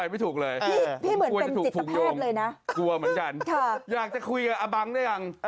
อยากเลยคุยกับอ้าบังได้ยัง